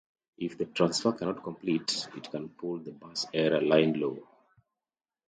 If the transfer cannot complete, it can pull the "bus error" line low.